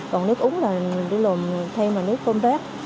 còn nước uống là để lồn thêm là nước không rác